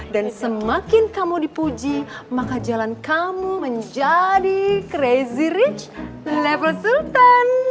dan semakin kamu dipuji maka jalan kamu menjadi crazy rich level sultan